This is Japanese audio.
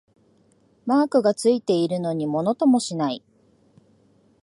マークがついてるのにものともしない